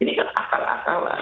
ini kan akal akal lah